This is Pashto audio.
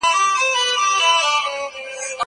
زه پرون د کتابتوننۍ سره مرسته کوم!!